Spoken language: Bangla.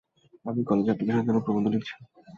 আমি কলেজ অ্যাপ্লিকেশনের জন্য প্রবন্ধ লিখছি।